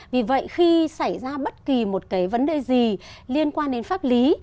vì vậy khi xảy ra bất kỳ một cái vấn đề gì liên quan đến pháp lý